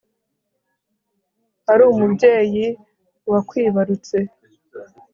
ari umubyeyi wakwibarutse